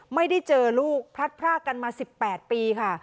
ไม่ได้เจอลูกพลัดพรากกันมา๑๘ปีค่ะ